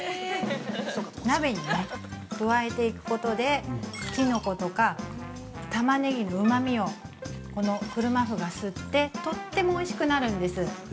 鍋に加えていくことできのことかタマネギのうまみをこの車麩が吸ってとってもおいしくなるんです。